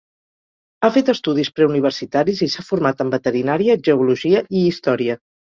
Ha fet estudis preuniversitaris, i s'ha format en veterinària, geologia i història.